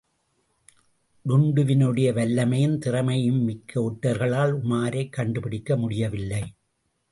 டுன்டுவினுடைய வல்லமையும் திறமையும்மிக்க ஒற்றர்களால் உமாரைக் கண்டுபிடிக்க முடியவில்லை.